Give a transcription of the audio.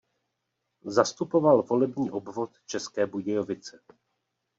Zastupoval volební obvod České Budějovice.